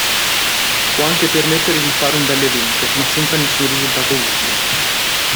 Può anche permettere di fare un bell'evento ma senza nessun risultato utile.